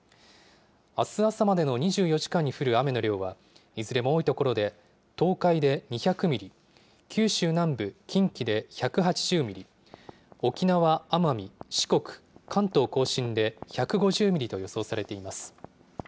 あす朝までの２４時間に降る雨の量は、いずれも多い所で、東海で２００ミリ、九州南部、近畿で１８０ミリ、沖縄・奄美、四国、関東甲信で１５０ミリと予想されています。